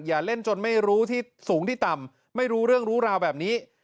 อย่าเล่นจนไม่รู้ที่สูงที่ต่ำไม่รู้เรื่องรู้ราวแบบนี้